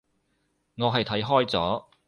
我係睇開咗